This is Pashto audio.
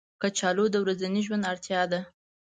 کچالو د ورځني ژوند اړتیا ده